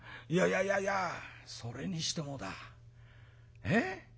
「いやいやそれにしてもだええ？